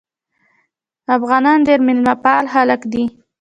افغانان ډېر میلمه پال خلک دي.